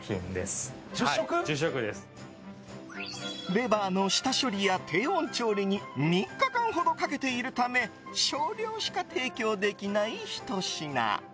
レバーの下処理や低温調理に３日間ほどかけているため少量しか提供できないひと品。